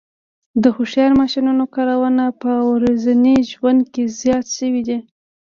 د هوښیار ماشینونو کارونه په ورځني ژوند کې زیات شوي دي.